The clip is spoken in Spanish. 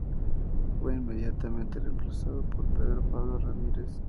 Fue inmediatamente reemplazado por Pedro Pablo Ramírez.